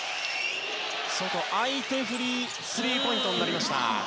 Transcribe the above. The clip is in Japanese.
フリーのスリーポイントになりました。